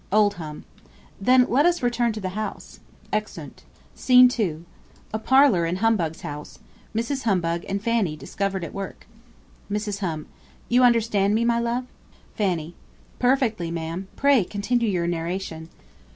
Old Hum. Then let us return to the house. [Exeunt. SCENE II. A parlour in HUMBUG'S house. MRS. HUMBUG and FANNY discovered at work. Mrs. Hum. You understand me, my love? Fanny. Perfectly, ma'am: pray continue your narration.